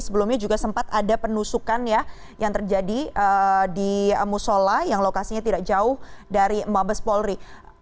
sebelumnya juga sempat ada penusukan ya yang terjadi di musola yang lokasinya tidak jauh dari mabes polri